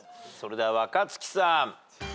それでは若槻さん。